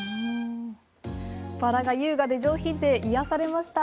バラが優雅で上品で癒やされました。